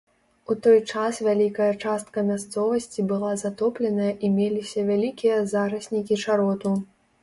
У той час вялікая частка мясцовасці была затопленая і меліся вялікія зараснікі чароту.